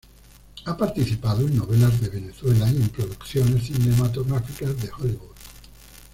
Ha participado en novelas de Venezuela, y en producciones cinematográficas de Hollywood.